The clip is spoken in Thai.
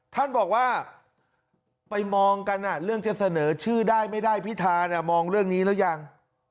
ท่านบอกว่าไปมองกันเรื่องจะเสนอชื่อได้ไม่ได้พิธามองเรื่องนี้หรือยัง